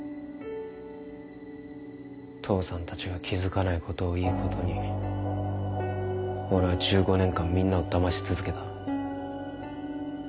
父さんたちが気付かないことをいいことに俺は１５年間みんなをだまし続けた。